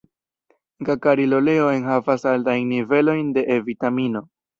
Gakaril-oleo enhavas altajn nivelojn de E-vitamino.